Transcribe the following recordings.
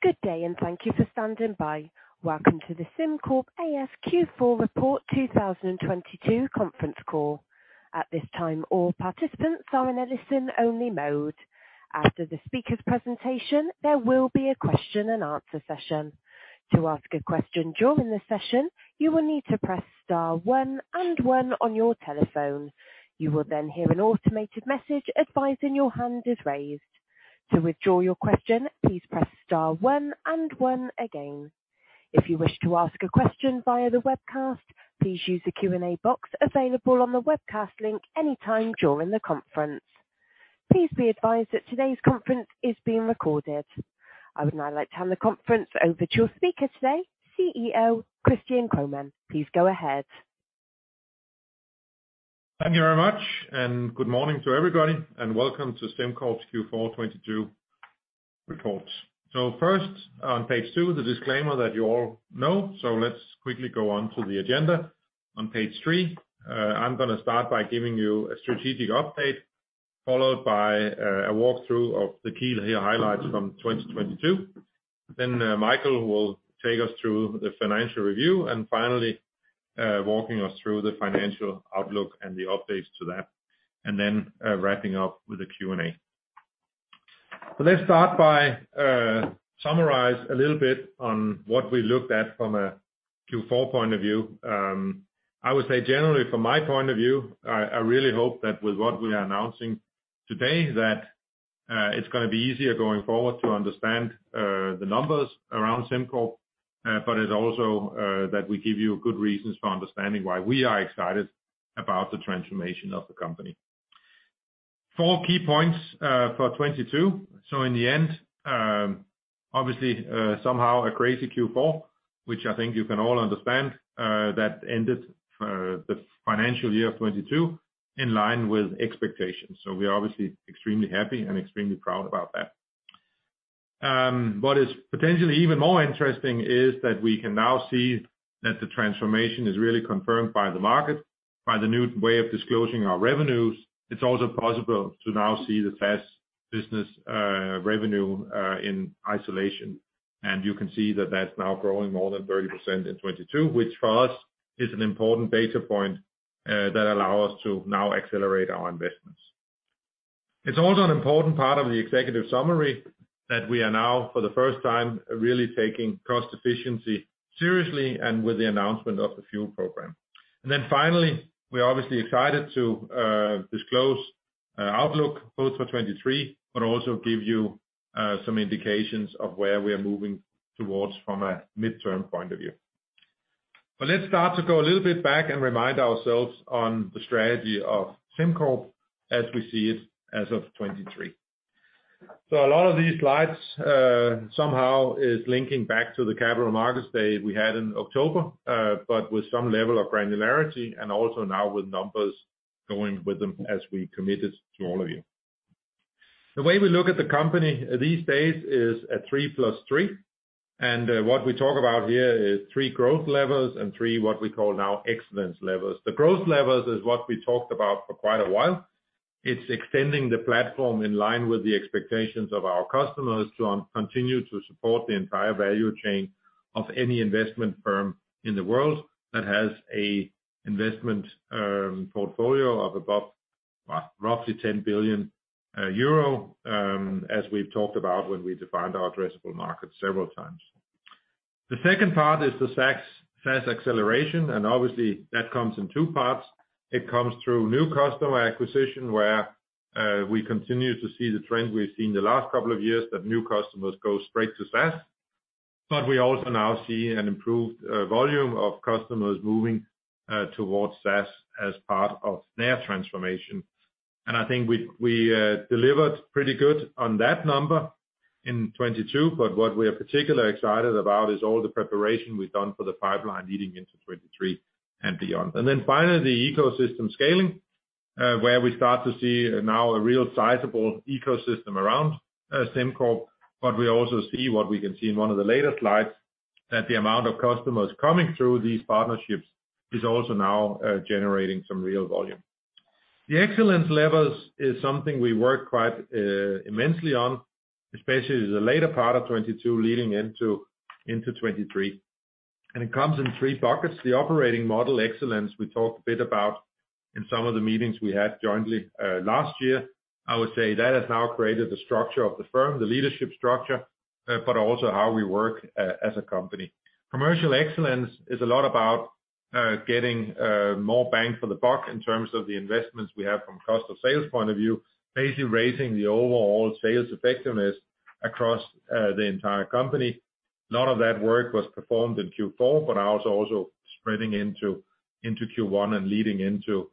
Good day, thank you for standing by. Welcome to the SimCorp A/S Q4 report 2022 conference call. At this time, all participants are in a listen only mode. After the speaker's presentation, there will be a question and answer session. To ask a question during the session, you will need to press star 1 and 1 on your telephone. You will hear an automated message advising your hand is raised. To withdraw your question, please press star one and one again. If you wish to ask a question via the webcast, please use the Q&A box available on the webcast link any time during the conference. Please be advised that today's conference is being recorded. I would now like to hand the conference over to your speaker today, CEO, Christian Kromann. Please go ahead. Thank you very much, good morning to everybody, and welcome to SimCorp's Q4 2022 report. First on page two, the disclaimer that you all know. Let's quickly go on to the agenda. On page three, I'm gonna start by giving you a strategic update, followed by a walk-through of the key highlights from 2022. Michael will take us through the financial review, and finally, walking us through the financial outlook and the updates to that, and then, wrapping up with the Q&A. Let's start by summarize a little bit on what we looked at from a Q4 point of view. I would say generally from my point of view, I really hope that with what we are announcing today, that it's gonna be easier going forward to understand the numbers around SimCorp. It's also that we give you good reasons for understanding why we are excited about the transformation of the company. four key points for 2022. In the end, obviously, somehow a crazy Q4, which I think you can all understand, that ended for the financial year of 2022, in line with expectations. We're obviously extremely happy and extremely proud about that. What is potentially even more interesting is that we can now see that the transformation is really confirmed by the market, by the new way of disclosing our revenues. It's also possible to now see the SaaS business revenue in isolation. You can see that that's now growing more than 30% in 2022, which for us is an important data point that allow us to now accelerate our investments. It's also an important part of the executive summary that we are now, for the first time, really taking cost efficiency seriously and with the announcement of the FuEl program. Finally, we're obviously excited to disclose outlook both for 2023, but also give you some indications of where we are moving towards from a midterm point of view. Let's start to go a little bit back and remind ourselves on the strategy of SimCorp as we see it as of 2023. A lot of these slides, somehow is linking back to the capital markets day we had in October, but with some level of granularity and also now with numbers going with them as we committed to all of you. The way we look at the company these days is a three plus three. What we talk about here is three growth levels and three, what we call now, excellence levels. The growth levels is what we talked about for quite a while. It's extending the platform in line with the expectations of our customers to continue to support the entire value chain of any investment firm in the world that has an investment portfolio of above roughly 10 billion euro, as we've talked about when we defined our addressable market several times. The second part is the SaaS acceleration and obviously that comes in two parts. It comes through new customer acquisition, where we continue to see the trend we've seen the last couple of years, that new customers go straight to SaaS. We also now see an improved volume of customers moving towards SaaS as part of their transformation. I think we delivered pretty good on that number in 2022. What we are particularly excited about is all the preparation we've done for the pipeline leading into 2023 and beyond. Finally, the ecosystem scaling, where we start to see now a real sizable ecosystem around SimCorp. We also see what we can see in one of the later slides, that the amount of customers coming through these partnerships is also now generating some real volume. The excellence levels is something we work quite immensely on, especially the later part of 2022 leading into 2023. It comes in three buckets. The operating model excellence we talked a bit about in some of the meetings we had jointly last year. I would say that has now created the structure of the firm, the leadership structure, but also how we work as a company. Commercial excellence is a lot about getting more bang for the buck in terms of the investments we have from cost of sales point of view. Basically raising the overall sales effectiveness across the entire company. None of that work was performed in Q4, but now it's also spreading into Q1 and leading into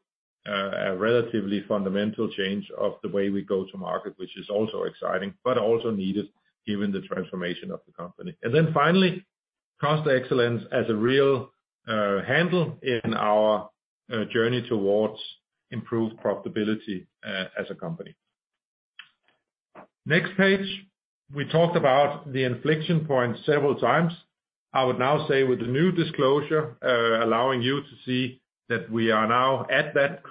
a relatively fundamental change of the way we go to market, which is also exciting, but also needed given the transformation of the company. Finally, cost excellence as a real handle in our journey towards improved profitability as a company. Next page, we talked about the infliction point several times. I would now say with the new disclosure, allowing you to see that we are now at that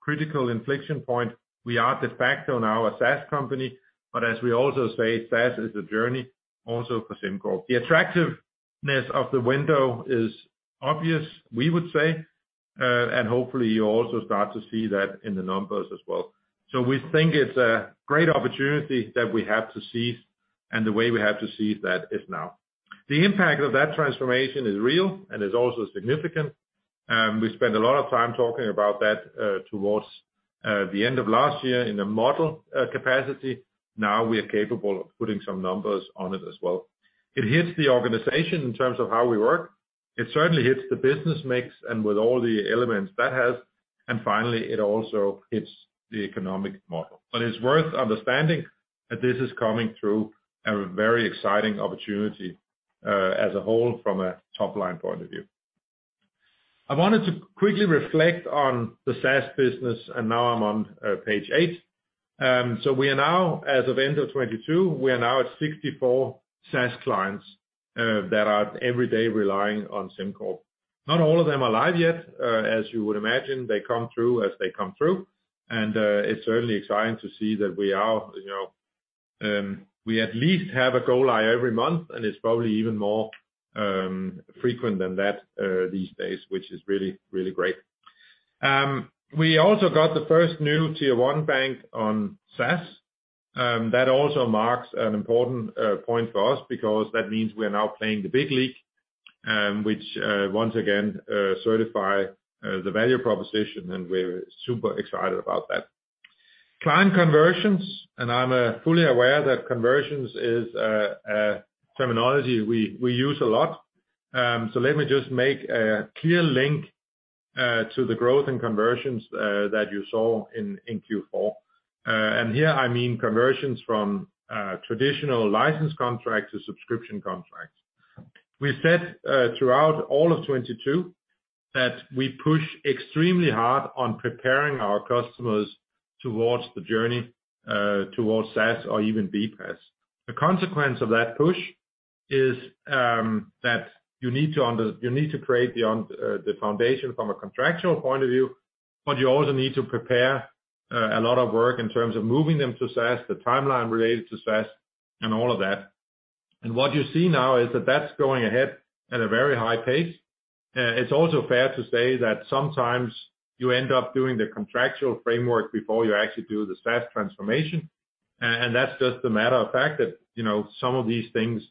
critical inflection point. We are de facto now a SaaS company. As we also say, SaaS is a journey also for SimCorp. The attractiveness of the window is obvious, we would say, and hopefully, you also start to see that in the numbers as well. We think it's a great opportunity that we have to seize, and the way we have to seize that is now. The impact of that transformation is real and is also significant. We spent a lot of time talking about that towards the end of last year in a model capacity. Now we are capable of putting some numbers on it as well. It hits the organization in terms of how we work. It certainly hits the business mix and with all the elements that has. Finally, it also hits the economic model. It's worth understanding that this is coming through a very exciting opportunity, as a whole from a top-line point of view. I wanted to quickly reflect on the SaaS business. Now I'm on page 8. We are now, as of end of 2022, we are now at 64 SaaS clients that are every day relying on SimCorp. Not all of them are live yet. As you would imagine, they come through as they come through. It's certainly exciting to see that we are, you know, we at least have a go-live every month, and it's probably even more frequent than that these days, which is really great. We also got the 1st new tier 1 bank on SaaS, that also marks an important point for us because that means we are now playing the big league, which once again certify the value proposition, and we're super excited about that. Client conversions, I'm fully aware that conversions is a terminology we use a lot. Let me just make a clear link to the growth in conversions that you saw in Q4. Here I mean conversions from traditional license contracts to subscription contracts. We said, throughout all of 2022 that we push extremely hard on preparing our customers towards the journey towards SaaS or even BPaaS. The consequence of that push is that you need to create the foundation from a contractual point of view, but you also need to prepare a lot of work in terms of moving them to SaaS, the timeline related to SaaS and all of that. What you see now is that that's going ahead at a very high pace. It's also fair to say that sometimes you end up doing the contractual framework before you actually do the SaaS transformation. That's just a matter of fact that, you know, some of these things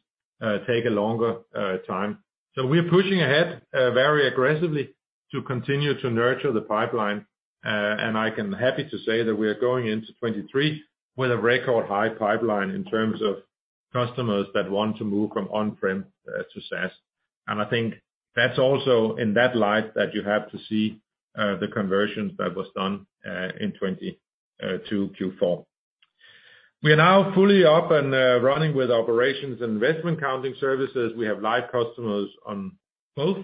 take a longer time. We're pushing ahead very aggressively to continue to nurture the pipeline. I am happy to say that we are going into 2023 with a record high pipeline in terms of customers that want to move from on-prem to SaaS. I think that's also in that light that you have to see the conversions that was done in 2022 Q4. We are now fully up and running with operations and investment accounting services. We have live customers on both.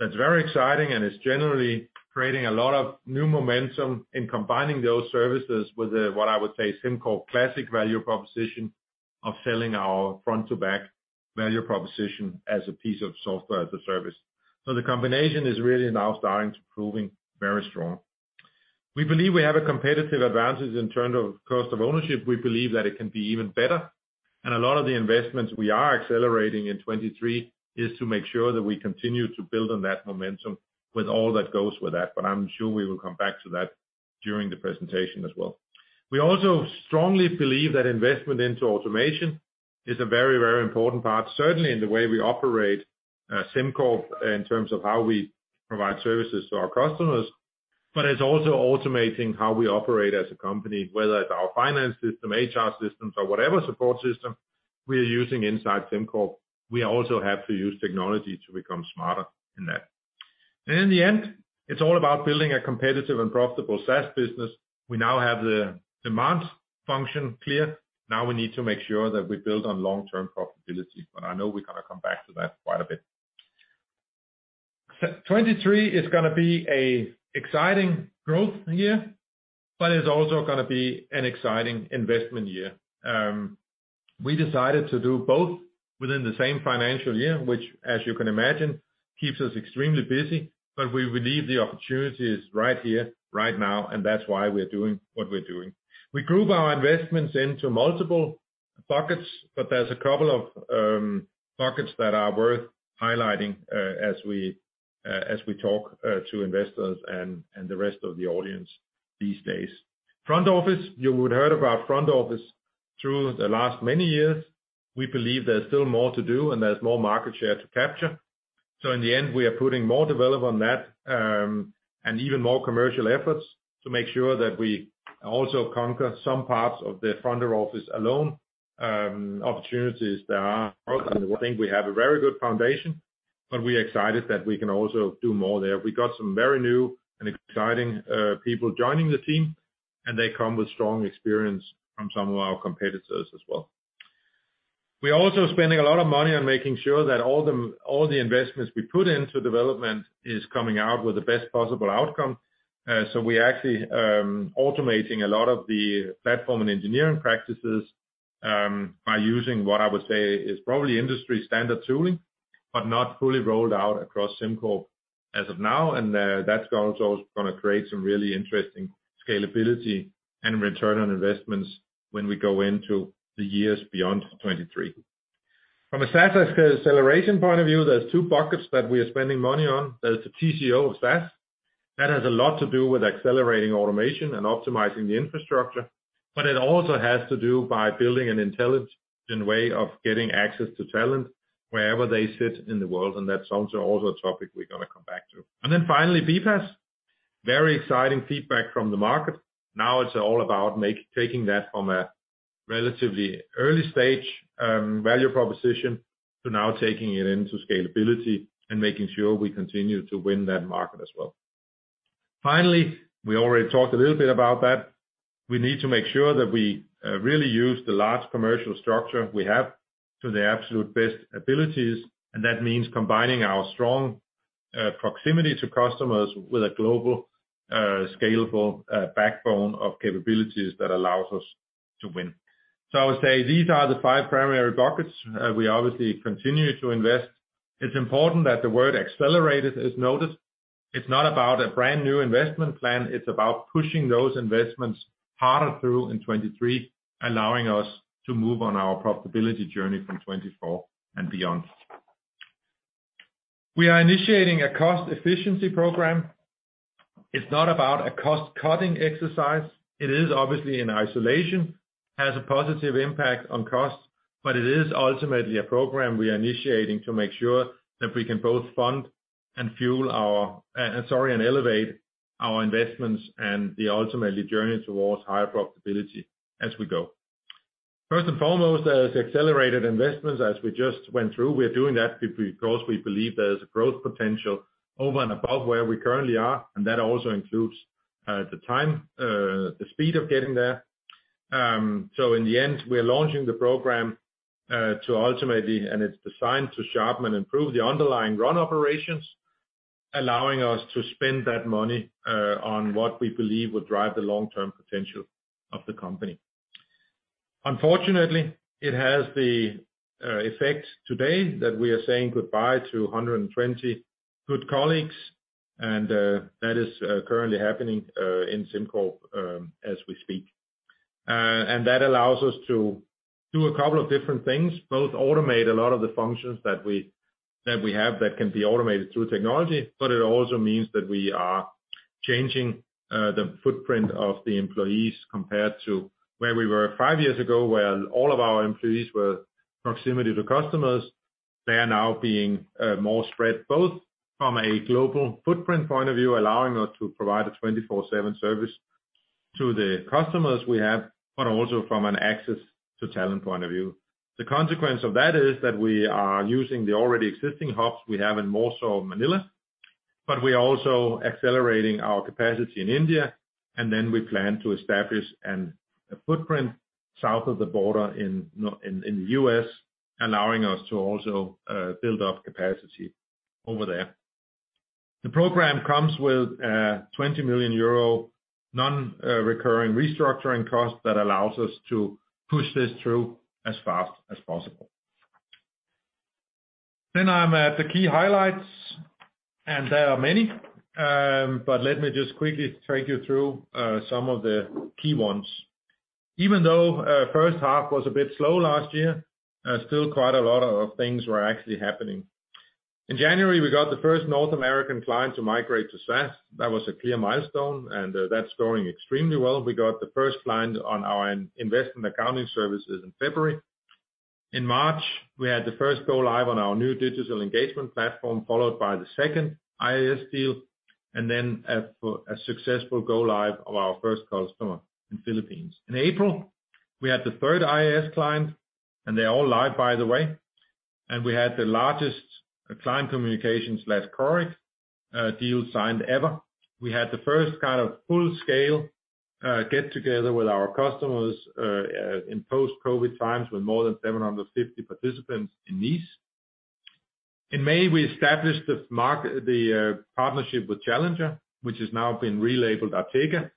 That's very exciting, and it's generally creating a lot of new momentum in combining those services with what I would say is SimCorp classic value proposition of selling our front to back value proposition as a piece of software as a service. The combination is really now starting to proving very strong. We believe we have a competitive advantage in terms of cost of ownership. We believe that it can be even better. A lot of the investments we are accelerating in 2023 is to make sure that we continue to build on that momentum with all that goes with that. I'm sure we will come back to that during the presentation as well. We also strongly believe that investment into automation is a very, very important part, certainly in the way we operate, SimCorp in terms of how we provide services to our customers. It's also automating how we operate as a company, whether it's our finance system, HR systems, or whatever support system we are using inside SimCorp. We also have to use technology to become smarter in that. In the end, it's all about building a competitive and profitable SaaS business. We now have the demand function clear. We need to make sure that we build on long-term profitability, but I know we're gonna come back to that quite a bit. 2023 is gonna be a exciting growth year, but it's also gonna be an exciting investment year. We decided to do both within the same financial year, which as you can imagine, keeps us extremely busy. We believe the opportunity is right here, right now, and that's why we're doing what we're doing. We group our investments into multiple buckets, but there's a couple of buckets that are worth highlighting as we talk to investors and the rest of the audience these days. Front office, you would heard about front office through the last many years. We believe there's still more to do and there's more market share to capture. In the end, we are putting more develop on that, and even more commercial efforts to make sure that we also conquer some parts of the front office alone, opportunities that are out there. I think we have a very good foundation, but we're excited that we can also do more there. We got some very new and exciting people joining the team, and they come with strong experience from some of our competitors as well. We're also spending a lot of money on making sure that all the investments we put into development is coming out with the best possible outcome. We're actually, automating a lot of the platform and engineering practices, by using what I would say is probably industry standard tooling, but not fully rolled out across SimCorp as of now. That's also gonna create some really interesting scalability and return on investments when we go into the years beyond 2023. From a SaaS acceleration point of view, there's two buckets that we are spending money on. There's the TCO of SaaS. That has a lot to do with accelerating automation and optimizing the infrastructure, but it also has to do by building an intelligent way of getting access to talent wherever they sit in the world, and that's also a topic we're gonna come back to. Then finally, BPaaS. Very exciting feedback from the market. Now it's all about taking that from a relatively early stage value proposition to now taking it into scalability and making sure we continue to win that market as well. Finally, we already talked a little bit about that. We need to make sure that we really use the large commercial structure we have to the absolute best abilities, and that means combining our strong proximity to customers with a global scalable backbone of capabilities that allows us to win. I would say these are the five primary buckets. We obviously continue to invest. It's important that the word accelerated is noticed. It's not about a brand-new investment plan. It's about pushing those investments harder through in 2023, allowing us to move on our profitability journey from 2024 and beyond. We are initiating a cost efficiency program. It's not about a cost-cutting exercise. It is obviously in isolation, has a positive impact on costs, but it is ultimately a program we are initiating to make sure that we can both fund and fuel our... Sorry, and elevate our investments and the ultimately journey towards higher profitability as we go. First and foremost, as accelerated investments, as we just went through, we are doing that because we believe there is a growth potential over and above where we currently are, and that also includes the time, the speed of getting there. In the end, we are launching the program to ultimately, and it's designed to sharpen and improve the underlying run operations, allowing us to spend that money on what we believe would drive the long-term potential of the company. Unfortunately, it has the effect today that we are saying goodbye to 120 good colleagues, and that is currently happening in SimCorp as we speak. That allows us to do a couple of different things, both automate a lot of the functions that we have that can be automated through technology. It also means that we are changing the footprint of the employees compared to where we were four years ago, where all of our employees were proximity to customers. They are now being more spread, both from a global footprint point of view, allowing us to provide a 24/7 service to the customers we have, also from an access to talent point of view. The consequence of that is that we are using the already existing hubs we have in Warsaw, Manila, but we are also accelerating our capacity in India, and then we plan to establish a footprint south of the border in the US, allowing us to also build up capacity over there. The program comes with a 20 million euro non-recurring restructuring cost that allows us to push this through as fast as possible. I'm at the key highlights, and there are many, but let me just quickly take you through some of the key ones. Even though first half was a bit slow last year, still quite a lot of things were actually happening. In January, we got the first North American client to migrate to SaaS. That was a clear milestone, and that's going extremely well. We got the first client on our investment accounting services in February. In March, we had the first go live on our new digital engagement platform, followed by the second IAS deal, then a successful go live of our first customer in Philippines. In April, we had the third IAS client. They're all live, by the way. We had the largest client communications/Coric deal signed ever. We had the first kind of full-scale get-together with our customers in post-COVID times, with more than 750 participants in Nice. In May, we established this partnership with Challenger, which has now been relabeled Artega.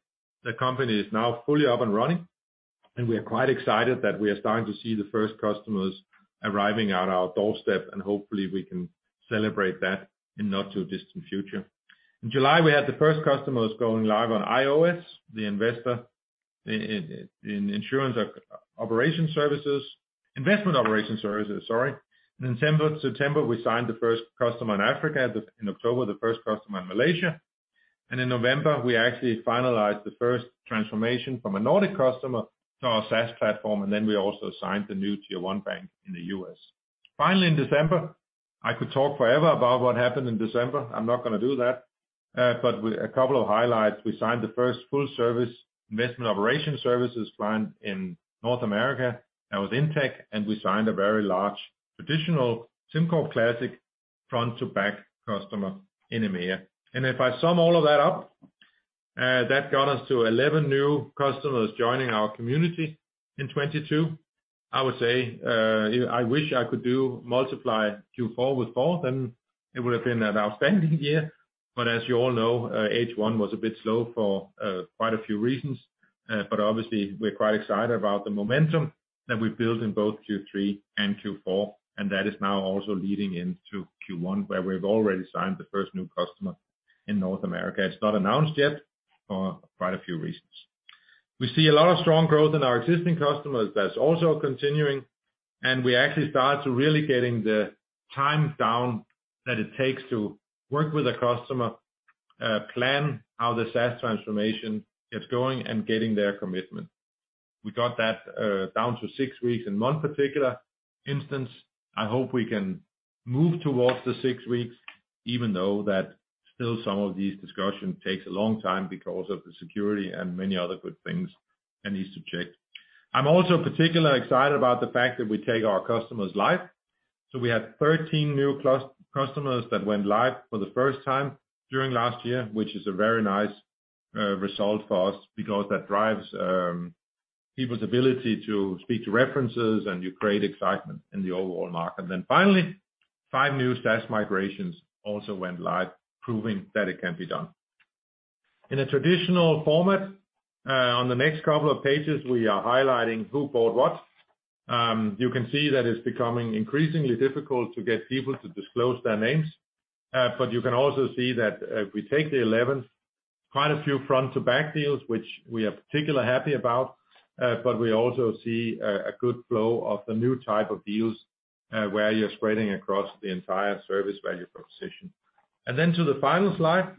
The company is now fully up and running. We are quite excited that we are starting to see the first customers arriving at our doorstep. Hopefully, we can celebrate that in not too distant future. In July, we had the first customers going live on IOS, the Investment operation services, sorry. In September, we signed the first customer in Africa. In October, the first customer in Malaysia. In November, we actually finalized the first transformation from a Nordic customer to our SaaS platform. Then we also signed the new tier 1 bank in the U.S. Finally, in December, I could talk forever about what happened in December. I'm not gonna do that. A couple of highlights. We signed the first full service Investment operation services client in North America. That was Intech. We signed a very large traditional SimCorp classic front to back customer in EMEA. If I sum all of that up, that got us to 11 new customers joining our community in 2022. I would say, I wish I could do multiply Q4 with 4, then it would have been an outstanding year. As you all know, H1 was a bit slow for quite a few reasons. Obviously, we're quite excited about the momentum that we've built in both Q3 and Q4, and that is now also leading into Q1, where we've already signed the 1st new customer in North America. It's not announced yet for quite a few reasons. We see a lot of strong growth in our existing customers that's also continuing, and we actually start to really getting the times down that it takes to work with a customer, plan how the SaaS transformation is going and getting their commitment. We got that down to 6 weeks in one particular instance. I hope we can move towards the 6 weeks, even though that still some of these discussions takes a long time because of the security and many other good things and needs to check. I'm also particularly excited about the fact that we take our customers live. We had 13 new customers that went live for the first time during last year, which is a very nice result for us because that drives people's ability to speak to references, and you create excitement in the overall market. Finally, five new SaaS migrations also went live, proving that it can be done. In a traditional format, on the next couple of pages, we are highlighting who bought what. You can see that it's becoming increasingly difficult to get people to disclose their names. But you can also see that, if we take the 11, quite a few front-to-back deals, which we are particularly happy about, but we also see a good flow of the new type of deals, where you're spreading across the entire service value proposition. To the final slide,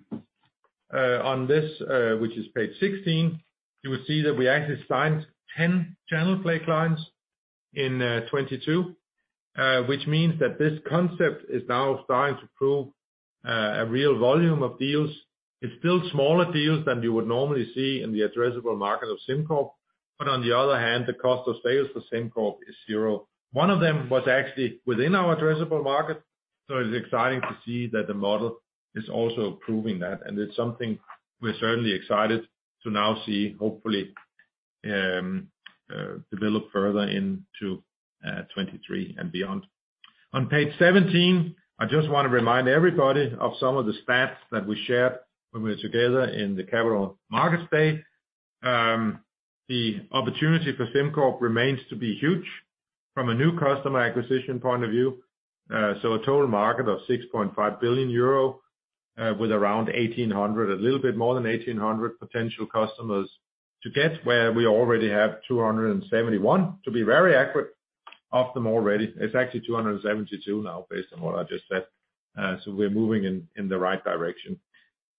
on this, which is page 16, you will see that we actually signed 10 channel play clients in 2022, which means that this concept is now starting to prove a real volume of deals. It's still smaller deals than you would normally see in the addressable market of SimCorp. On the other hand, the cost of sales for SimCorp is zero. One of them was actually within our addressable market. It's exciting to see that the model is also proving that. It's something we're certainly excited to now see, hopefully, develop further into 2023 and beyond. On page 17, I just want to remind everybody of some of the stats that we shared when we were together in the Capital Markets Day. The opportunity for SimCorp remains to be huge from a new customer acquisition point of view. A total market of 6.5 billion euro, with around 1,800, a little bit more than 1,800 potential customers to get where we already have 271, to be very accurate, of them already. It's actually 272 now based on what I just said. We're moving in the right direction.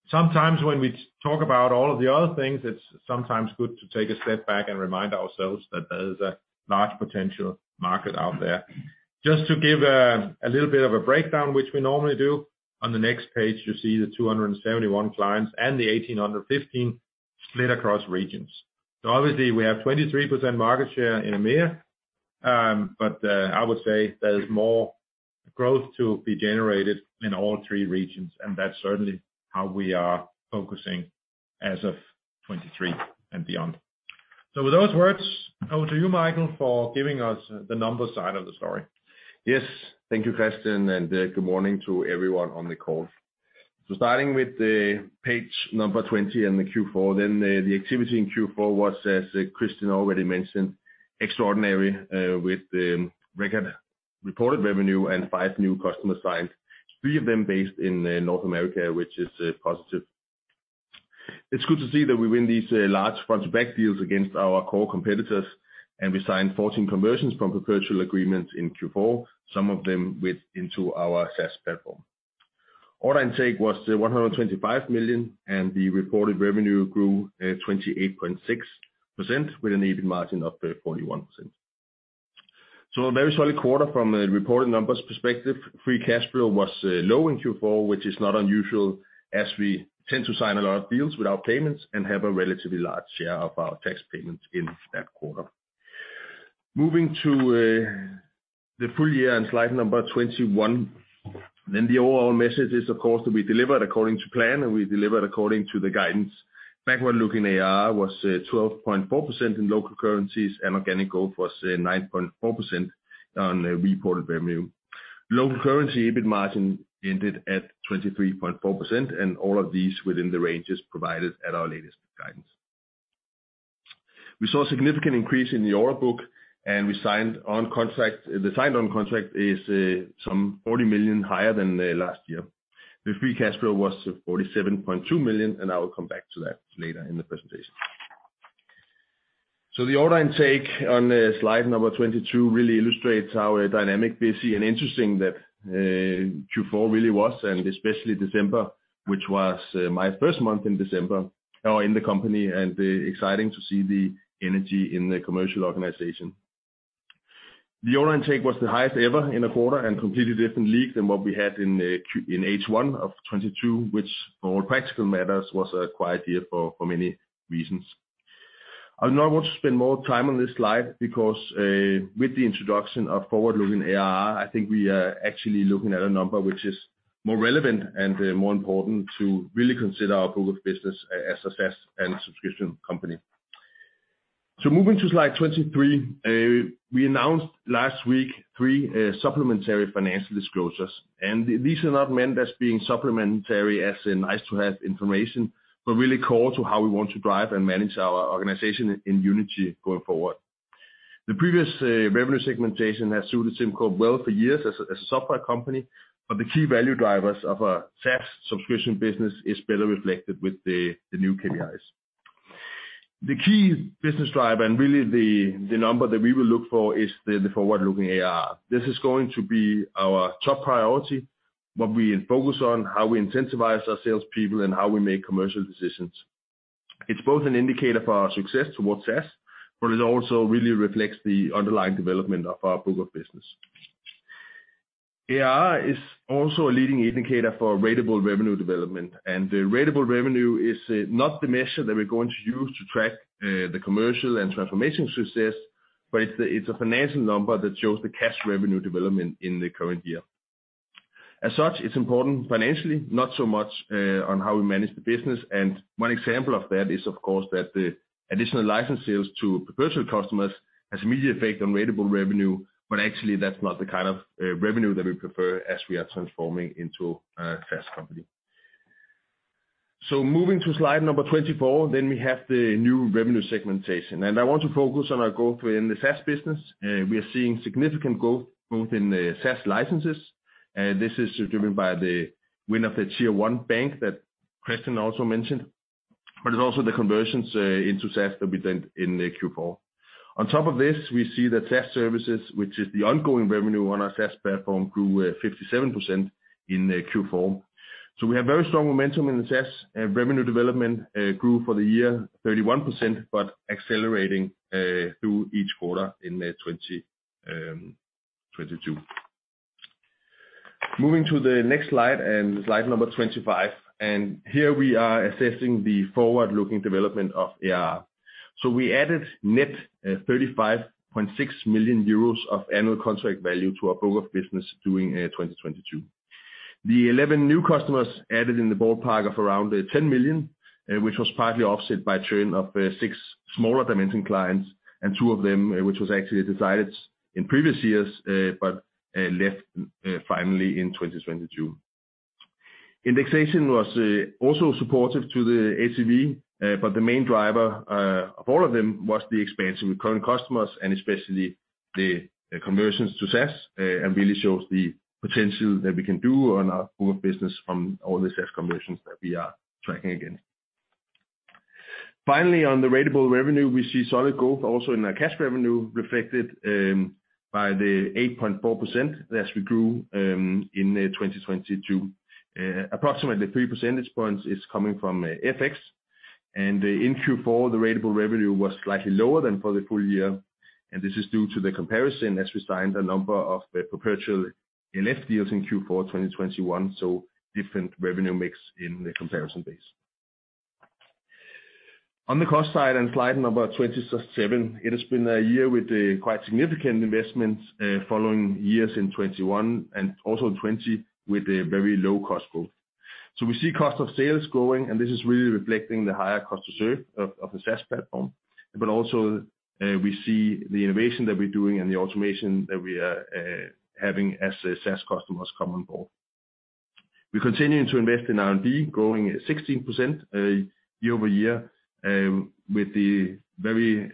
Sometimes when we talk about all of the other things, it's sometimes good to take a step back and remind ourselves that there's a large potential market out there. Just to give a little bit of a breakdown, which we normally do, on the next page, you see the 271 clients and the 1,815 split across regions. Obviously, we have 23% market share in EMEA, but I would say there is more growth to be generated in all three regions, and that's certainly how we are focusing as of 2023 and beyond. With those words, over to you, Michael, for giving us the numbers side of the story. Yes. Thank you, Christian, and good morning to everyone on the call. Starting with page number 20 in Q4, the activity in Q4 was, as Christian already mentioned, extraordinary, with record reported revenue and 5 new customer signed, three of them based in North America, which is positive. It's good to see that we win these large front-to-back deals against our core competitors, and we signed 14 conversions from perpetual agreements in Q4, some of them with into our SaaS platform. Order intake was 125 million, and the reported revenue grew 28.6% with an EBIT margin of 41%. A very solid quarter from a reported numbers perspective. Free cash flow was low in Q4, which is not unusual, as we tend to sign a lot of deals without payments and have a relatively large share of our tax payments in that quarter. Moving to the full year on slide number 21, the overall message is, of course, that we delivered according to plan, and we delivered according to the guidance. Backward-looking ARR was 12.4% in local currencies, and organic growth was 9.4% on the reported revenue. Local currency EBIT margin ended at 23.4%, and all of these within the ranges provided at our latest guidance. We saw a significant increase in the order book, and we signed on contract. The signed on contract is some 40 million higher than last year. The free cash flow was 47.2 million. I will come back to that later in the presentation. The order intake on slide number 22 really illustrates how dynamic, busy, and interesting that Q4 really was, especially December, which was my first month in December in the company. Exciting to see the energy in the commercial organization. The order intake was the highest ever in a quarter, completely different league than what we had in H1 2022, which for all practical matters was a quiet year for many reasons. I'll not want to spend more time on this slide because with the introduction of forward-looking ARR, I think we are actually looking at a number which is more relevant and more important to really consider our Booga business as a SaaS and subscription company. Moving to slide 23, we announced last week three supplementary financial disclosures, and these are not meant as being supplementary as in nice to have information, but really core to how we want to drive and manage our organization in unity going forward. The previous revenue segmentation has suited SimCorp well for years as a software company, but the key value drivers of a SaaS subscription business is better reflected with the new KPIs. The key business driver and really the number that we will look for is the forward-looking ARR. This is going to be our top priority, what we focus on, how we incentivize our sales people, and how we make commercial decisions. It's both an indicator for our success towards SaaS, but it also really reflects the underlying development of our Booga business. AR is also a leading indicator for ratable revenue development. Ratable revenue is not the measure that we're going to use to track the commercial and transformation success, but it's a financial number that shows the cash revenue development in the current year. As such, it's important financially, not so much on how we manage the business, and one example of that is, of course, that the additional license sales to perpetual customers has immediate effect on ratable revenue, but actually, that's not the kind of revenue that we prefer as we are transforming into a SaaS company. Moving to slide number 24, then we have the new revenue segmentation. I want to focus on our growth in the SaaS business. We are seeing significant growth both in the SaaS licenses, this is driven by the win of the tier one bank that Christian also mentioned. It's also the conversions into SaaS that we did in Q4. On top of this, we see the SaaS services, which is the ongoing revenue on our SaaS platform, grew 57% in Q4. We have very strong momentum in the SaaS revenue development, grew for the year 31%, but accelerating through each quarter in 2022. Moving to the next slide number 25. Here we are assessing the forward-looking development of AR. We added net 35.6 million euros of annual contract value to our Booga business during 2022. The 11 new customers added in the ballpark of around 10 million, which was partly offset by churn of 6 smaller Dimension clients, and 2 of them, which was actually decided in previous years, but left finally in 2022. Indexation was also supportive to the ACV, but the main driver of all of them was the expansion with current customers, and especially the conversions to SaaS, and really shows the potential that we can do on our Booga business from all the SaaS conversions that we are tracking again. Finally, on the ratable revenue, we see solid growth also in our cash revenue, reflected by the 8.4% that we grew in 2022. Approximately 3 percentage points is coming from FX. In Q4, the ratable revenue was slightly lower than for the full year. This is due to the comparison as we signed a number of perpetual LF deals in Q4 2021, different revenue mix in the comparison base. On the cost side, on slide number 27, it has been a year with quite significant investments, following years in 2021 and also in 2020 with a very low cost growth. We see cost of sales growing, and this is really reflecting the higher cost to serve of the SaaS platform. Also, we see the innovation that we're doing and the automation that we are having as the SaaS customers come on board. We continue to invest in R&D, growing 16% year-over-year, with the very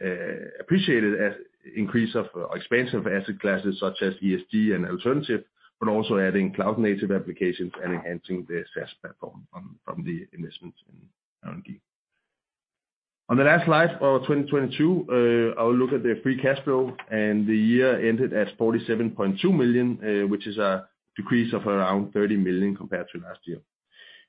appreciated increase of or expansion of asset classes such as ESG and alternative, but also adding cloud-native applications and enhancing the SaaS platform from the investments in R&D. On the last slide of 2022, I will look at the free cash flow, and the year ended at 47.2 million, which is a decrease of around 30 million compared to last year.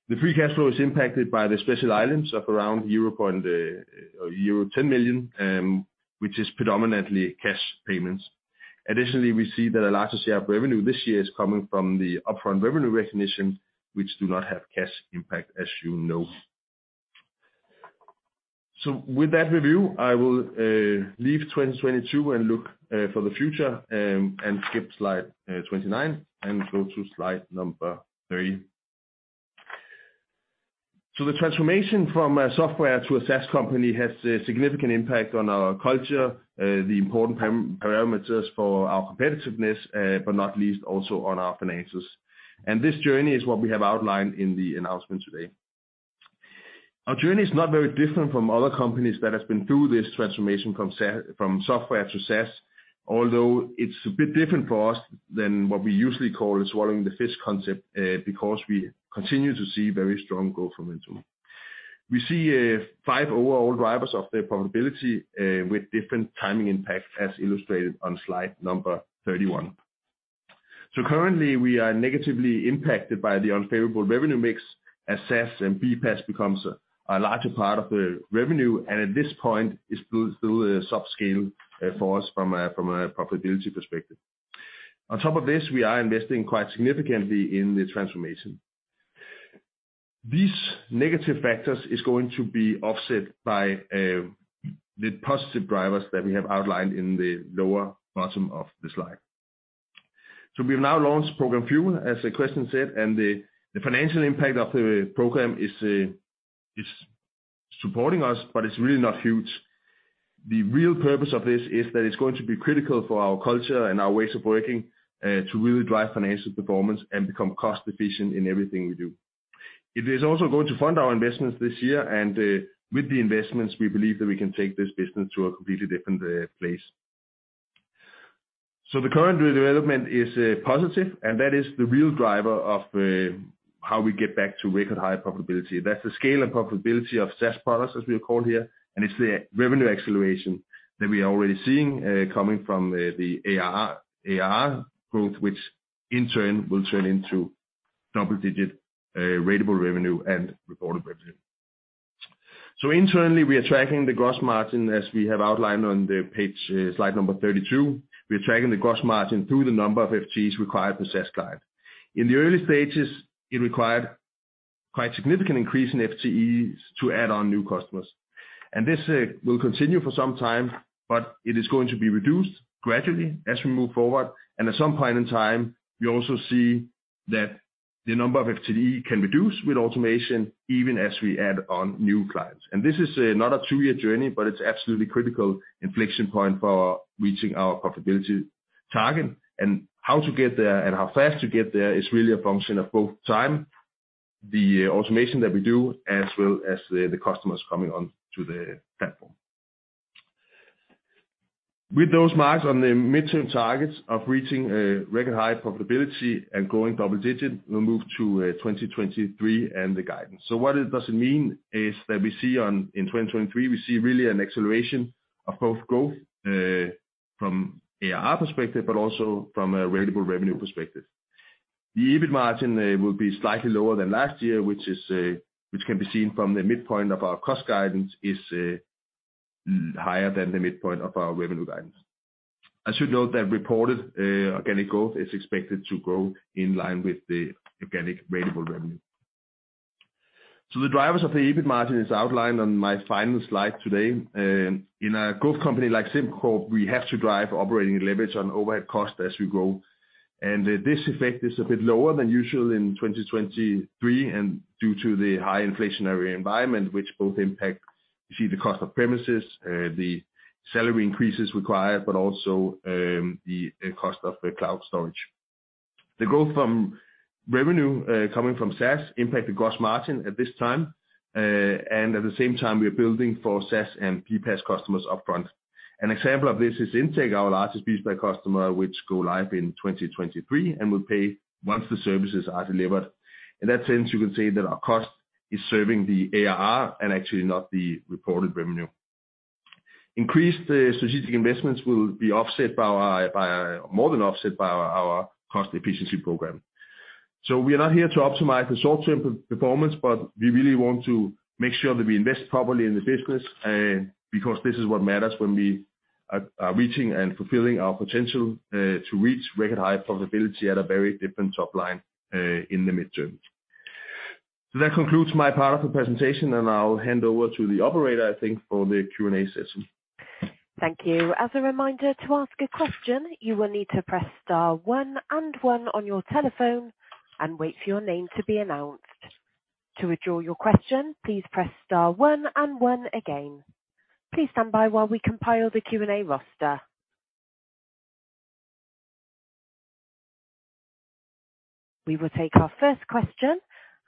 The free cash flow is impacted by the special items of around euro 10 million, which is predominantly cash payments. We see that a larger share of revenue this year is coming from the upfront revenue recognition, which do not have cash impact, as you know. With that review, I will leave 2022 and look for the future, and skip slide 29 and go to slide number 3. The transformation from a software to a SaaS company has a significant impact on our culture, the important parameters for our competitiveness, but not least also on our finances. This journey is what we have outlined in the announcement today. Our journey is not very different from other companies that has been through this transformation from software to SaaS, although it's a bit different for us than what we usually call swallowing the fish concept, because we continue to see very strong growth from it too. We see five overall drivers of the profitability with different timing impacts as illustrated on slide number 31. Currently, we are negatively impacted by the unfavorable revenue mix as SaaS and BPaaS becomes a larger part of the revenue, and at this point it's still a subscale for us from a profitability perspective. On top of this, we are investing quite significantly in the transformation. These negative factors is going to be offset by the positive drivers that we have outlined in the lower bottom of the slide. We have now launched Program FuEl, as Christian said, and the financial impact of the program is supporting us, but it's really not huge. The real purpose of this is that it's going to be critical for our culture and our ways of working to really drive financial performance and become cost efficient in everything we do. It is also going to fund our investments this year, and with the investments, we believe that we can take this business to a completely different place. The current redevelopment is positive, and that is the real driver of how we get back to record high profitability. That's the scale and profitability of SaaS products, as we call here, and it's the revenue acceleration that we are already seeing coming from the ARR growth, which in turn will turn into double-digit ratable revenue and reported revenue. Internally, we are tracking the gross margin as we have outlined on the page, slide number 32. We are tracking the gross margin through the number of FTEs required per SaaS client. In the early stages, it required quite significant increase in FTEs to add on new customers. This will continue for some time, but it is going to be reduced gradually as we move forward. At some point in time, we also see that the number of FTE can reduce with automation even as we add on new clients. This is not a two-year journey, but it's absolutely critical inflection point for reaching our profitability target. How to get there and how fast to get there is really a function of both time, the automation that we do, as well as the customers coming onto the platform. With those marks on the midterm targets of reaching a record high profitability and going double-digit, we'll move to 2023 and the guidance. What it doesn't mean is that we see on, in 2023, we see really an acceleration of both growth from AR perspective, but also from a ratable revenue perspective. The EBIT margin will be slightly lower than last year, which is, which can be seen from the midpoint of our cost guidance is higher than the midpoint of our revenue guidance. I should note that reported organic growth is expected to grow in line with the organic ratable revenue. The drivers of the EBIT margin is outlined on my final slide today. In a growth company like SimCorp, we have to drive operating leverage on overhead cost as we grow. This effect is a bit lower than usual in 2023, due to the high inflationary environment which both impact, you see the cost of premises, the salary increases required, but also the cost of the cloud storage. The growth from revenue coming from SaaS impact the gross margin at this time. At the same time, we are building for SaaS and BPaaS customers upfront. An example of this is Intech, our largest piece by customer, which go live in 2023, and will pay once the services are delivered. In that sense, you can say that our cost is serving the ARR and actually not the reported revenue. Increased strategic investments will be more than offset by our cost efficiency program. We are not here to optimize the short-term performance, but we really want to make sure that we invest properly in the business, because this is what matters when we are reaching and fulfilling our potential, to reach record high profitability at a very different top line, in the midterm. That concludes my part of the presentation, and I'll hand over to the operator, I think, for the Q&A session. Thank you. As a reminder, to ask a question, you will need to press star one and one on your telephone and wait for your name to be announced. To withdraw your question, please press star one and one again. Please stand by while we compile the Q&A roster. We will take our first question,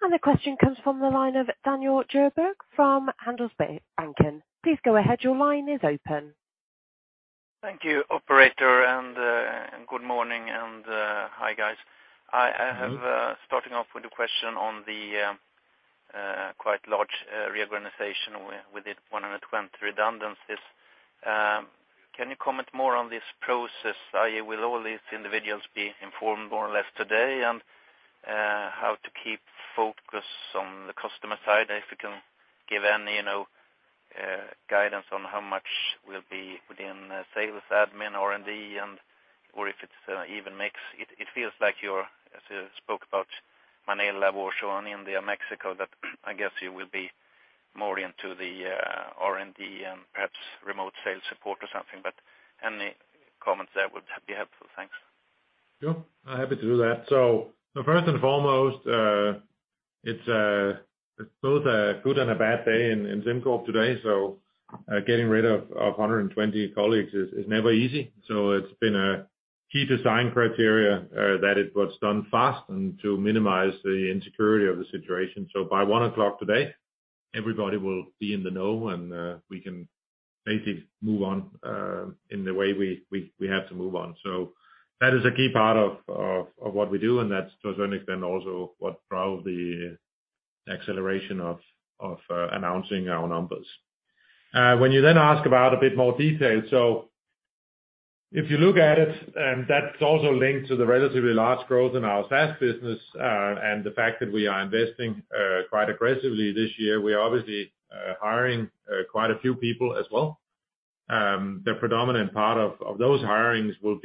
and the question comes from the line of Daniel Djurberg from Handelsbanken. Please go ahead. Your line is open. Thank you, operator, good morning, and hi guys. I have starting off with a question on the quite large reorganization within 120 redundancies. Can you comment more on this process? I.e. will all these individuals be informed more or less today on how to keep focus on the customer side? If you can give any, you know, guidance on how much will be within sales, admin, R&D and/or if it's an even mix. It feels like you're, as you spoke about Manila, Warsaw and India, Mexico, that I guess you will be more into the R&D and perhaps remote sales support or something. Any comments there would be helpful. Thanks. Sure. I'm happy to do that. First and foremost, it's both a good and a bad day in SimCorp today. Getting rid of 120 colleagues is never easy. It's been a key design criteria that it was done fast and to minimize the insecurity of the situation. By 1:00 P.M. today, everybody will be in the know and we can basically move on in the way we have to move on. That is a key part of what we do, and that's also then also what drove the acceleration of announcing our numbers. When you then ask about a bit more detail. If you look at it, and that's also linked to the relatively large growth in our SaaS business, and the fact that we are investing quite aggressively this year. We are obviously hiring quite a few people as well. The predominant part of those hirings will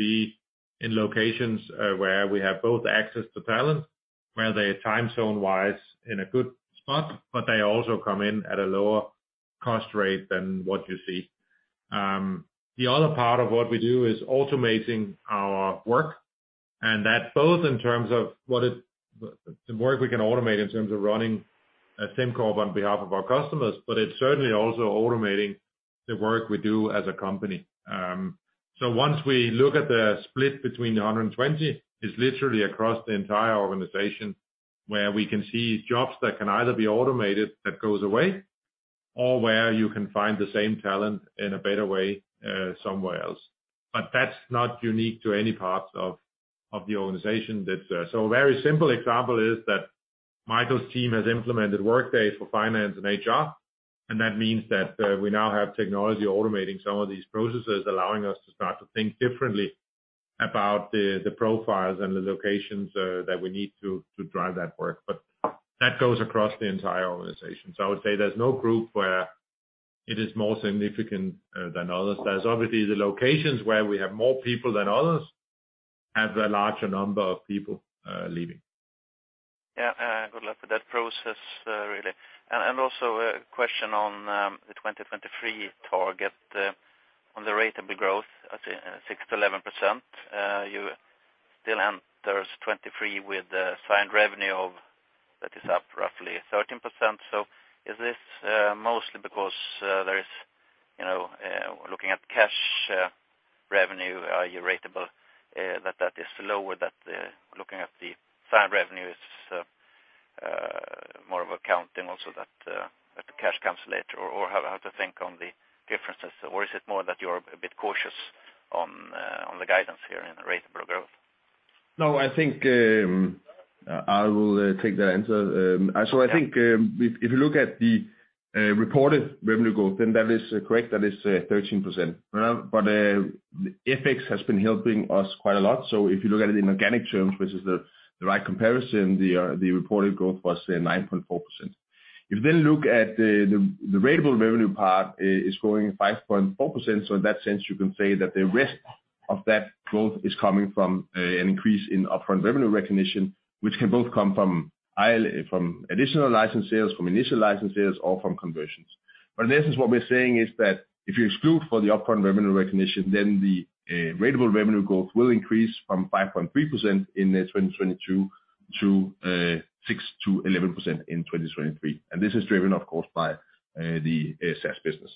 be in locations, where we have both access to talent, where they are time zone-wise in a good spot, but they also come in at a lower cost rate than what you see. The other part of what we do is automating our work, that's both in terms of the work we can automate in terms of running a SimCorp on behalf of our customers, but it's certainly also automating the work we do as a company. Once we look at the split between the 120, it's literally across the entire organization where we can see jobs that can either be automated, that goes away, or where you can find the same talent in a better way, somewhere else. That's not unique to any parts of the organization. That's. A very simple example is that Michael's team has implemented Workday for finance and HR, and that means that we now have technology automating some of these processes, allowing us to start to think differently about the profiles and the locations that we need to drive that work. That goes across the entire organization. I would say there's no group where it is more significant than others. There's obviously the locations where we have more people than others, have the larger number of people leaving. Yeah. Good luck with that process, really. Also a question on the 2023 target on the rate of the growth at 6%-11%. You still enters 2023 with a signed revenue of... That is up roughly 13%. Is this mostly because there is, you know, looking at cash revenue, your ratable, that is lower that, looking at the signed revenue is more of accounting also that the cash comes later or how to think on the differences? Is it more that you're a bit cautious on the guidance here in the ratable growth? I will take that answer. If you look at the reported revenue growth, that is correct. That is 13%. FX has been helping us quite a lot. If you look at it in organic terms, which is the right comparison, the reported growth was 9.4%. If you look at the ratable revenue part is growing 5.4%. You can say that the rest of that growth is coming from an increase in upfront revenue recognition, which can both come from additional license sales, from initial licenses or from conversions. The essence what we're saying is that if you exclude for the upfront revenue recognition, then the ratable revenue growth will increase from 5.3% in 2022 to 6% to 11% in 2023. This is driven, of course, by the SaaS business.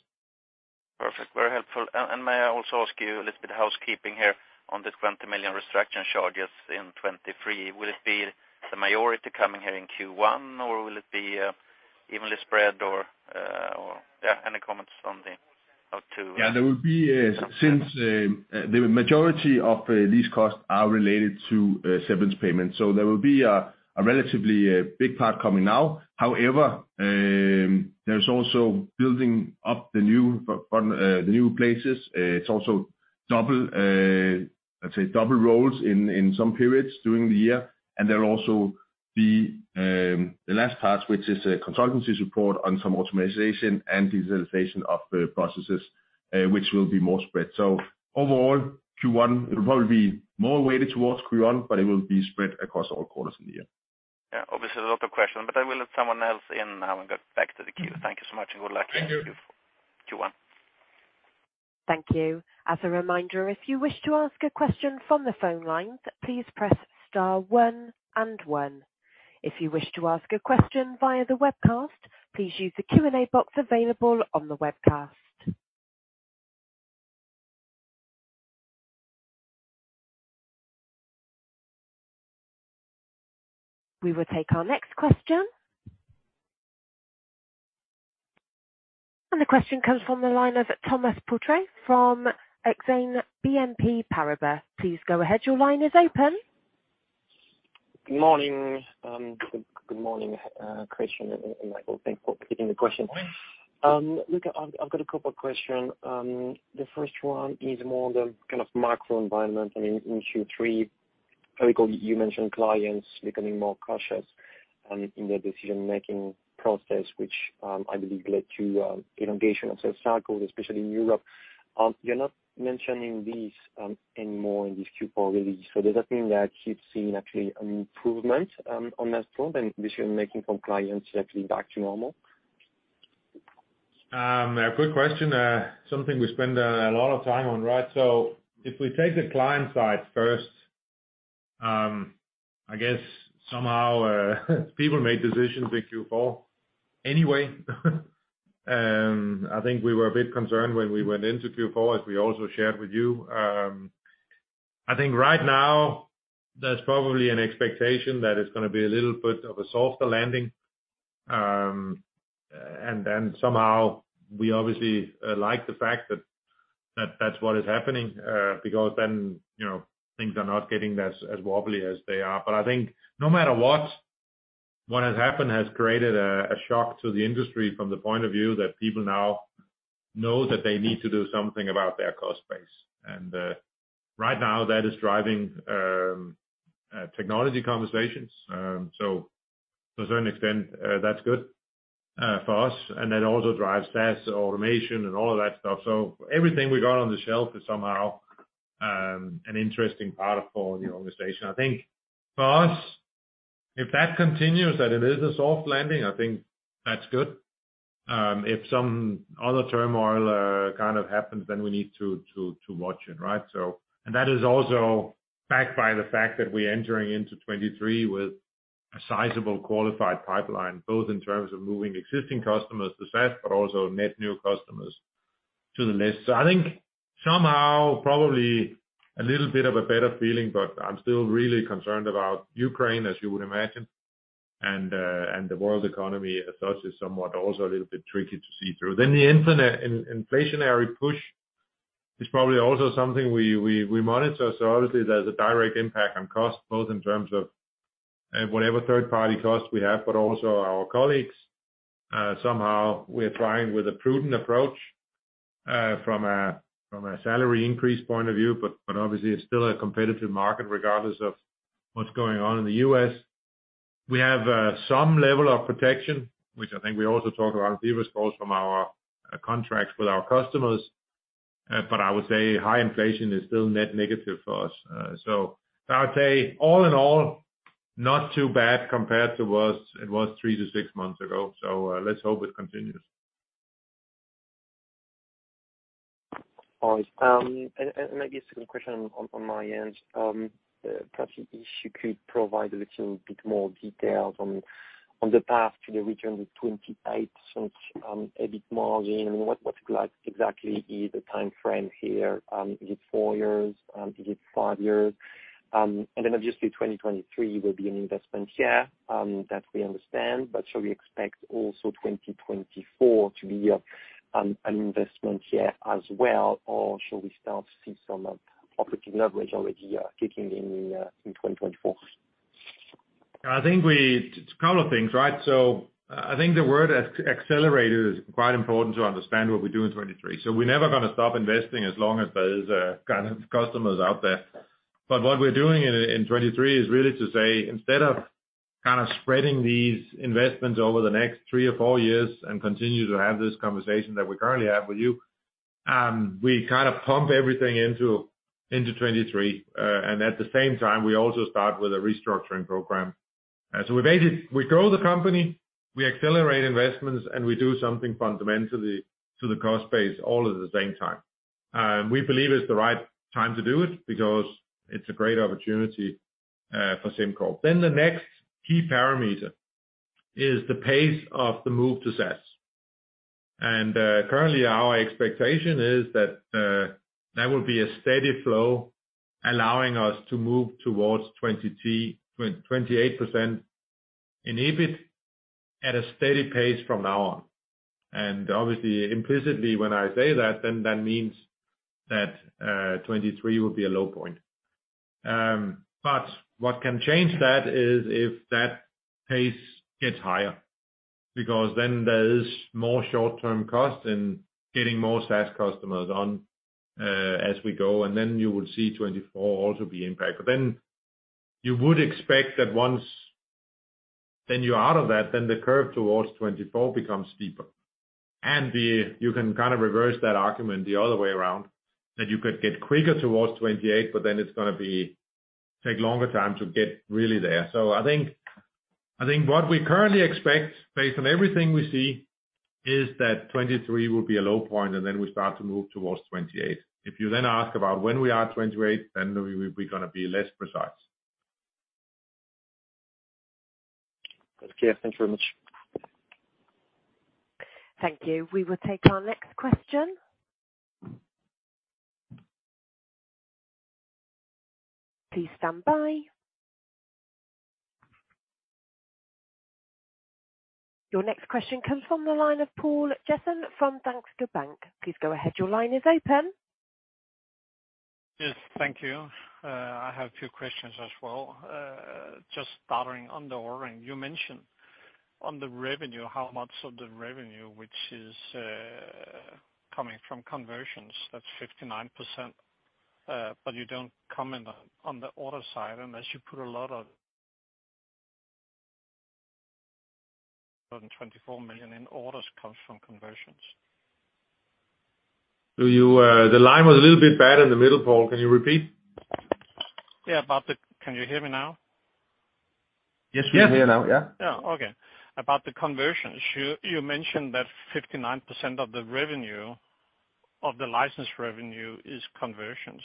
Perfect. Very helpful. May I also ask you a little bit of housekeeping here on this 20 million restructuring charges in 2023. Will it be the majority coming here in Q1 or will it be evenly spread or... Yeah, any comments on the how to? Yeah, there will be since the majority of these costs are related to severance payments. There will be a relatively big part coming now. However, there's also building up the new front, the new places. It's also double, let's say double roles in some periods during the year. There'll also be the last part, which is a consultancy support on some automatization and digitalization of the processes, which will be more spread. Overall, Q1, it will probably be more weighted towards Q1, but it will be spread across all quarters in the year. Yeah. Obviously, a lot of questions, but I will let someone else in now and get back to the queue. Thank you so much and good luck- Thank you. -in Q1. Thank you. As a reminder, if you wish to ask a question from the phone lines, please press star one and one. If you wish to ask a question via the webcast, please use the Q&A box available on the webcast. We will take our next question. The question comes from the line of Thomas Poutrieux from Exane BNP Paribas. Please go ahead. Your line is open. Good morning. Good morning, Christian and Michael. Thanks for taking the question. Look, I've got a couple of questions. The first one is more the kind of macro environment. I mean, in Q3, I recall you mentioned clients becoming more cautious in their decision-making process, which I believe led to elongation of sales cycle, especially in Europe. You're not mentioning this anymore in this Q4 release. Does that mean that you've seen actually an improvement on that front and decision-making from clients actually back to normal? A good question. Something we spend a lot of time on, right? If we take the client side first, I guess somehow people make decisions in Q4 anyway. I think we were a bit concerned when we went into Q4, as we also shared with you. I think right now there's probably an expectation that it's gonna be a little bit of a softer landing. Somehow we obviously like the fact that that's what is happening, because then, you know, things are not getting as wobbly as they are. I think no matter what has happened has created a shock to the industry from the point of view that people now know that they need to do something about their cost base. Right now that is driving technology conversations. To a certain extent, that's good for us, and that also drives SaaS automation and all of that stuff. Everything we got on the shelf is somehow an interesting part for the organization. I think for us, if that continues, that it is a soft landing, I think that's good. If some other turmoil kind of happens, then we need to watch it, right? That is also backed by the fact that we're entering into 2023 with a sizable qualified pipeline, both in terms of moving existing customers to SaaS but also net new customers to the list. I think somehow probably a little bit of a better feeling, but I'm still really concerned about Ukraine, as you would imagine, and the world economy as such is somewhat also a little bit tricky to see through. The inflationary push is probably also something we monitor. Obviously there's a direct impact on cost, both in terms of whatever third-party costs we have, but also our colleagues. Somehow we're trying with a prudent approach from a salary increase point of view, but obviously it's still a competitive market regardless of what's going on in the US. We have some level of protection, which I think we also talk about in previous calls from our contracts with our customers. But I would say high inflation is still net negative for us. I would say all in all, not too bad compared to it was 3-6 months ago. Let's hope it continues. All right. Maybe a second question on my end. Perhaps if you could provide a little bit more details on the path to the return with 28% since EBIT margin. I mean, what like exactly is the timeframe here? Is it four years? Is it fiveyears? Then obviously 2023 will be an investment year that we understand. Shall we expect also 2024 to be an investment year as well? Or shall we start to see some operating leverage already kicking in in 2024? I think it's a couple of things, right? I think the word accelerator is quite important to understand what we do in 2023. We're never gonna stop investing as long as there is kind of customers out there. What we're doing in 2023 is really to say, instead of kind of spreading these investments over the next three or four years and continue to have this conversation that we currently have with you, we kind of pump everything into 2023. At the same time, we also start with a restructuring program. We basically grow the company, we accelerate investments, and we do something fundamentally to the cost base all at the same time. We believe it's the right time to do it because it's a great opportunity for SimCorp. The next key parameter is the pace of the move to SaaS. Currently our expectation is that that will be a steady flow allowing us to move towards 28% in EBIT at a steady pace from now on. Obviously, implicitly when I say that means that 23 will be a low point. What can change that is if that pace gets higher, because then there is more short-term costs in getting more SaaS customers on as we go, you would see 24 also be impacted. You would expect that once... Then you're out of that, the curve towards 24 becomes steeper. The... You can kind of reverse that argument the other way around, that you could get quicker towards 28. It's gonna be take longer time to get really there. I think what we currently expect based on everything we see, is that 23 will be a low point. We start to move towards 28. If you ask about when we are at 28, we gonna be less precise. Okay. Thanks very much. Thank you. We will take our next question. Please stand by. Your next question comes from the line of Poul Jessen from Danske Bank. Please go ahead. Your line is open. Yes. Thank you. I have two questions as well. Just starting on the ordering. You mentioned on the revenue, how much of the revenue which is coming from conversions, that's 59%. You don't comment on the order side, unless you put a lot of... 124 million in orders comes from conversions. Do you, the line was a little bit bad in the middle, Paul. Can you repeat? Yeah. Can you hear me now? Yes, we hear now. Yeah. Yeah. Okay. About the conversions, you mentioned that 59% of the revenue, of the license revenue is conversions.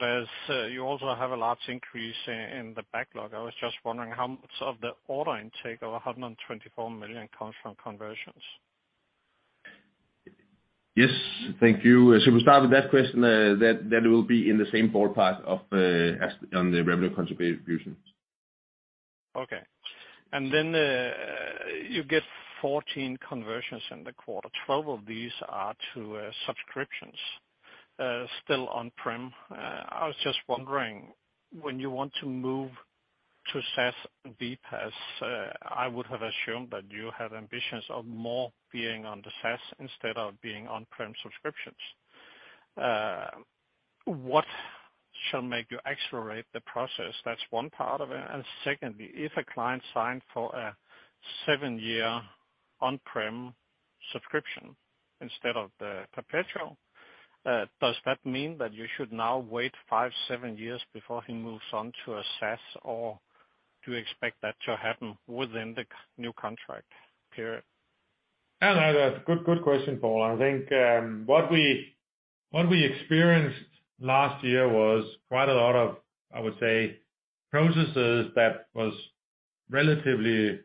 As you also have a large increase in the backlog, I was just wondering how much of the order intake of 124 million comes from conversions? Yes. Thank you. We start with that question that will be in the same ballpark as on the revenue contribution. Okay. You get 14 conversions in the quarter. 12 of these are to subscriptions, still on-prem. I was just wondering, when you want to move to SaaS BPaaS, I would have assumed that you had ambitions of more being on the SaaS instead of being on-prem subscriptions. What shall make you accelerate the process? That's one part of it. Secondly, if a client signed for a seven year on-prem subscription instead of the perpetual, does that mean that you should now wait five, seven years before he moves on to a SaaS, or do you expect that to happen within the new contract period? No, no, that's good question, Paul. I think, what we experienced last year was quite a lot of, I would say, processes that was relatively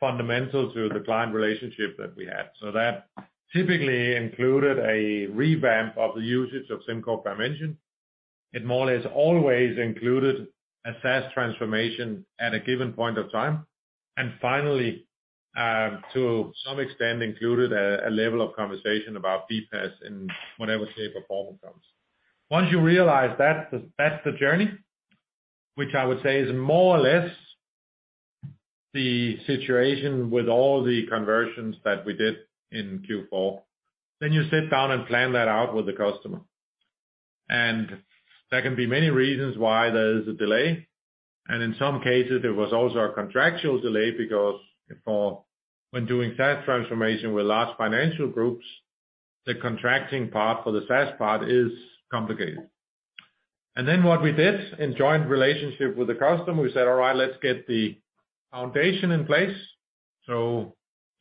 fundamental to the client relationship that we had. That typically included a revamp of the usage of SimCorp Dimension. It more or less always included a SaaS transformation at a given point of time. Finally, to some extent included a level of conversation about BPaaS in whatever shape or form it comes. Once you realize that's the journey, which I would say is more or less the situation with all the conversions that we did in Q4, then you sit down and plan that out with the customer. There can be many reasons why there is a delay, and in some cases there was also a contractual delay because for when doing SaaS transformation with large financial groups, the contracting part for the SaaS part is complicated. What we did in joint relationship with the customer, we said, "All right, let's get the foundation in place."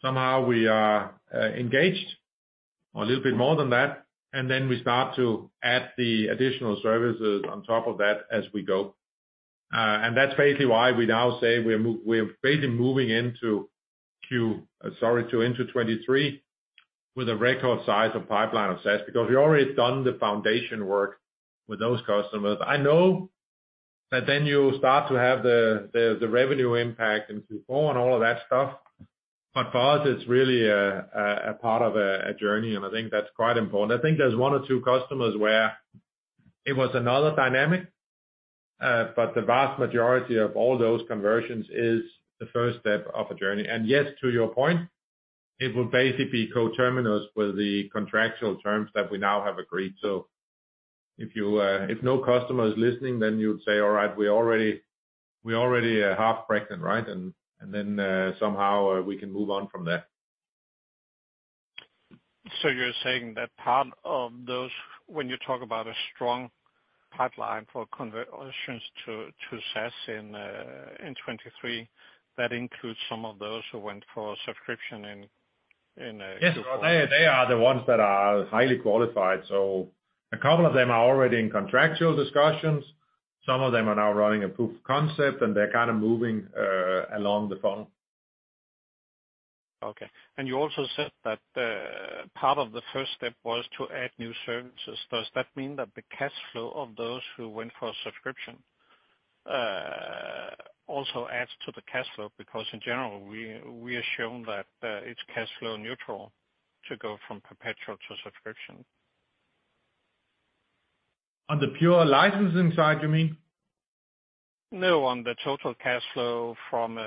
Somehow we are engaged or a little bit more than that, and then we start to add the additional services on top of that as we go. That's basically why we now say we're basically moving into 2023 with a record size of pipeline of SaaS, because we've already done the foundation work with those customers. I know that then you start to have the revenue impact in Q4 and all of that stuff. For us, it's really a part of a journey, and I think that's quite important. I think there's one or two customers where it was another dynamic. But the vast majority of all those conversions is the first step of a journey. Yes, to your point, it will basically be co-terminus with the contractual terms that we now have agreed to. If you, if no customer is listening, then you'd say, "All right, we already are half-pregnant," right? Then, somehow, we can move on from there. You're saying that part of those, when you talk about a strong pipeline for conversions to SaaS in 2023, that includes some of those who went for subscription in Q4? Yes. Well, they are the ones that are highly qualified. A couple of them are already in contractual discussions. Some of them are now running a proof of concept, and they're kind of moving along the funnel. Okay. You also said that, part of the first step was to add new services. Does that mean that the cash flow of those who went for a subscription, also adds to the cash flow? In general, we are shown that, it's cash flow neutral to go from perpetual to subscription. On the pure licensing side, you mean? On the total cash flow from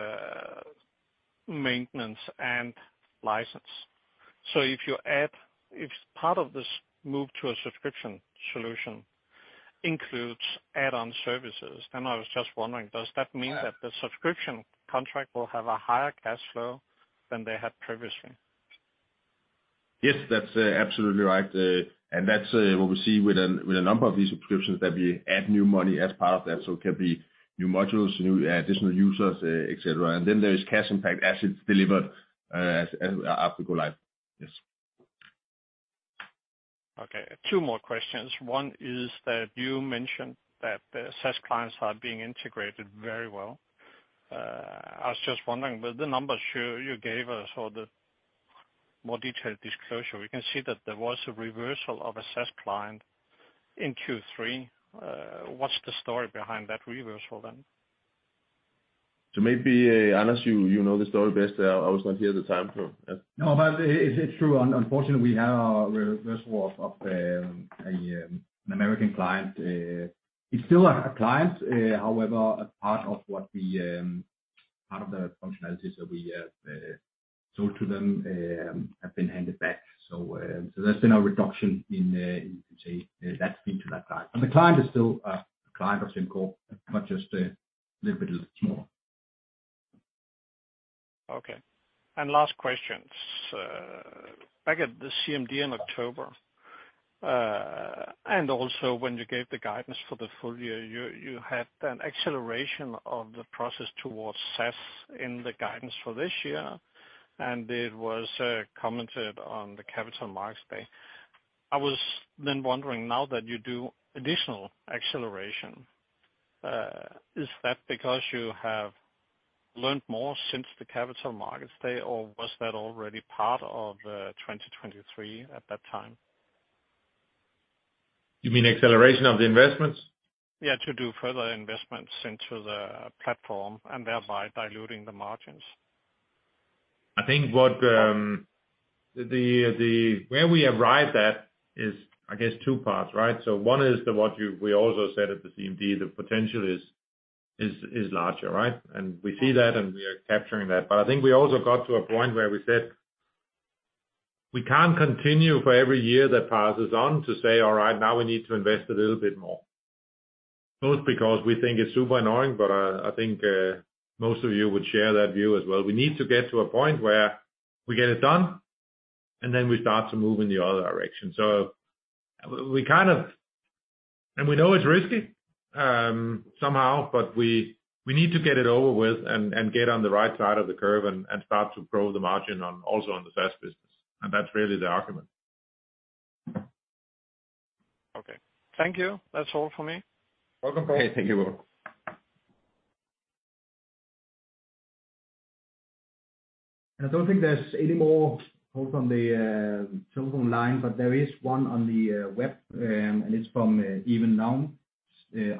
maintenance and license. If part of this move to a subscription solution includes add-on services, I was just wondering, does that mean that the subscription contract will have a higher cash flow than they had previously? Yes, that's absolutely right. That's what we see with a number of these subscriptions, that we add new money as part of that. It can be new modules, new additional users, et cetera. Then there is cash impact as it's delivered after go live. Yes. Okay. Two more questions. One is that you mentioned that the SaaS clients are being integrated very well. I was just wondering with the numbers you gave us or the more detailed disclosure, we can see that there was a reversal of a SaaS client in Q3. What's the story behind that reversal then? Maybe, Anders, you know the story best. I was not here at the time, so yes. No, but it's true. Unfortunately, we have a reversal of an American client. It's still a client. However, part of the functionalities that we sold to them have been handed back. There's been a reduction in, you could say that's been to that client. The client is still a client of SimCorp, but just a little bit smaller. Okay. Last question. Back at the CMD in October, and also when you gave the guidance for the full year, you had an acceleration of the process towards SaaS in the guidance for this year, and it was commented on the Capital Markets Day. I was wondering, now that you do additional acceleration, is that because you have learned more since the Capital Markets Day, or was that already part of 2023 at that time? You mean acceleration of the investments? To do further investments into the platform and thereby diluting the margins. I think what, where we arrive at is, I guess, two parts, right? One is the what you, we also said at the CMD, the potential is larger, right? We see that and we are capturing that. I think we also got to a point where we said, we can't continue for every year that passes on to say, all right, now we need to invest a little bit more. Both because we think it's super annoying, but I think most of you would share that view as well. We need to get to a point where we get it done, and then we start to move in the other direction. We kind of... We know it's risky, somehow, but we need to get it over with and get on the right side of the curve and start to grow the margin also on the SaaS business. That's really the argument. Okay. Thank you. That's all for me. Welcome. Okay. Thank you all. I don't think there's any more calls from the telephone line, but there is one on the web, and it's from Evan Laung,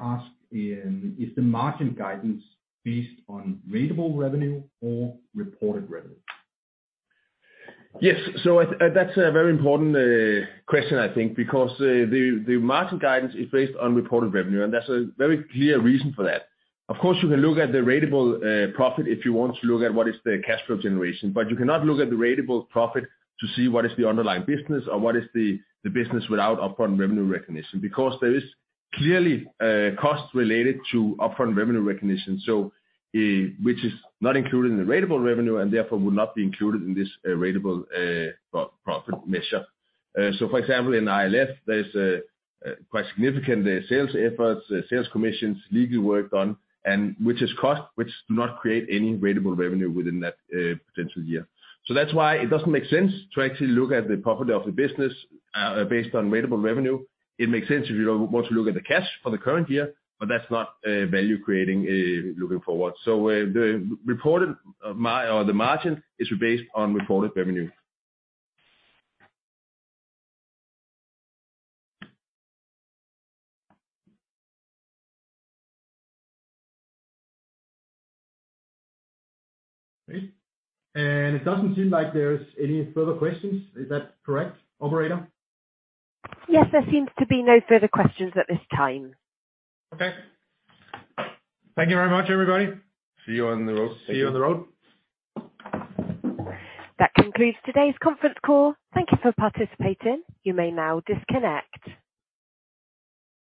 ask, is the margin guidance based on ratable revenue or reported revenue? That's a very important question I think because the margin guidance is based on reported revenue, and there's a very clear reason for that. Of course, you can look at the ratable profit if you want to look at what is the cash flow generation. You cannot look at the ratable profit to see what is the underlying business or what is the business without upfront revenue recognition, because there is clearly costs related to upfront revenue recognition, which is not included in the ratable revenue and therefore will not be included in this ratable profit measure. For example, in ILS, there's quite significant sales efforts, sales commissions, legal work done, and which is cost which do not create any ratable revenue within that potential year. That's why it doesn't make sense to actually look at the profit of the business, based on ratable revenue. It makes sense if you want to look at the cash for the current year, but that's not value-creating, looking forward. The reported or the margin is based on reported revenue. Great. It doesn't seem like there's any further questions. Is that correct, operator? Yes, there seems to be no further questions at this time. Okay. Thank you very much, everybody. See you on the road. See you on the road. That concludes today's conference call. Thank you for participating. You may now disconnect.